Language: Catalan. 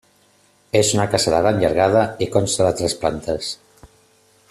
És una casa de gran llargada i consta de tres plantes.